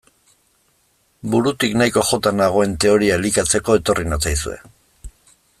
Burutik nahiko jota nagoen teoria elikatzeko etorri natzaizue.